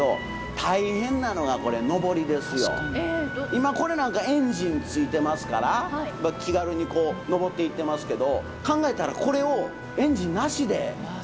今これなんかエンジン付いてますから気軽にこう上っていってますけど考えたらこれをエンジンなしで昔行ってたわけですからね。